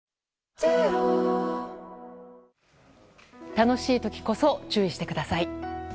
楽しい時こそ注意してください。